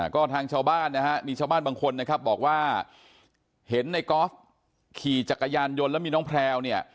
ก็ทางชาวบ้านนะฮะมีชาวบ้านบางคนนะครับบอกว่าเห็นในกอล์ฟขี่จักรยานยนต์แล้วมีน้องแพลวเนี่ย